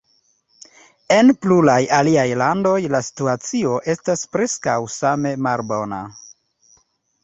En pluraj aliaj landoj la situacio estas preskaŭ same malbona.